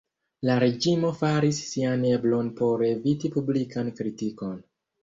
La reĝimo faris sian eblon por eviti publikan kritikon.